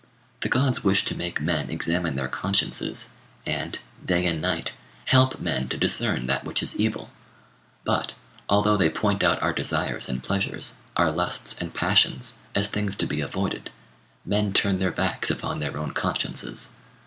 The gods wish to make men examine their consciences, and, day and night, help men to discern that which is evil; but, although they point out our desires and pleasures, our lusts and passions, as things to be avoided, men turn their backs upon their own consciences.